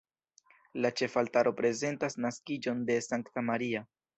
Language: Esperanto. La ĉefaltaro prezentas naskiĝon de Sankta Maria.